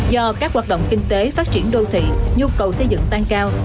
do các hoạt động kinh tế phát triển đô thị nhu cầu xây dựng tăng cao